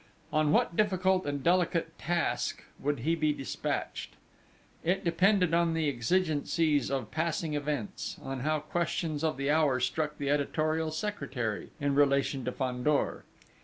On what difficult and delicate quest would he be despatched? It depended on the exigencies of passing events, on how questions of the hour struck the editorial secretary, in relation to Fandor.